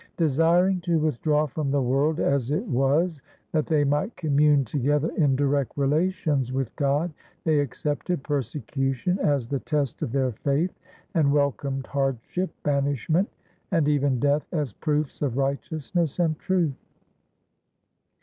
Desiring to withdraw from the world as it was that they might commune together in direct relations with God, they accepted persecution as the test of their faith and welcomed hardship, banishment, and even death as proofs of righteousness and truth.